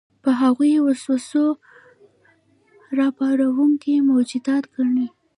یا هغوی وسوسه راپاروونکي موجودات ګڼي.